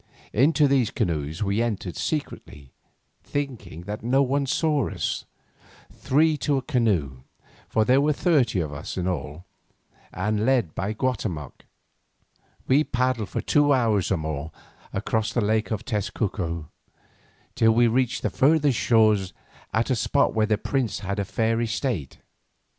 Into these canoes we entered secretly, thinking that none saw us, three to a canoe, for there were thirty of us in all, and led by Guatemoc, we paddled for two hours or more across the Lake Tezcuco, till we reached the further shore at a spot where this prince had a fair estate.